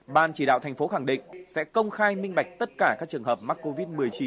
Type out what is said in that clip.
ban chỉ đạo thành phố khẳng định sẽ công khai minh bạch tất cả các trường hợp mắc covid một mươi chín